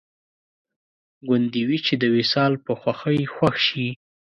ګوندې وي چې د وصال په خوښۍ خوښ شي